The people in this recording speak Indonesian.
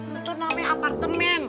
itu namanya apartemen